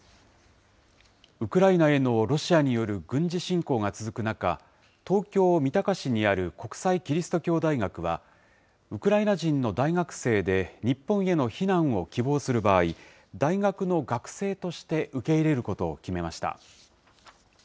ウクライナへのロシアによる軍事侵攻が続く中、東京・三鷹市にある国際基督教大学は、ウクライナ人の大学生で、日本への避難を希望する場合、大学の学生として受け入れることを決めました。